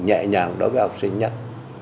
nhẹ nhàng đối với học sinh nhất